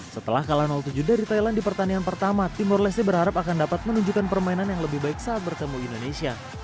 setelah kalah tujuh dari thailand di pertandingan pertama timor leste berharap akan dapat menunjukkan permainan yang lebih baik saat bertemu indonesia